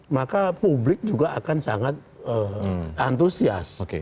maka publik juga akan sangat antusias